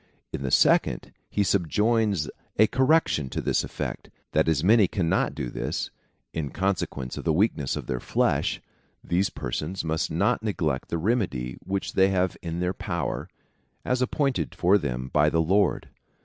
In the second, he subjoins a correction to this effect, that as many cannot do this, in con sequence of the weakness of their flesh, these persons must not neglect the remedy which they have in their power, as apjjointed for them by the Lord.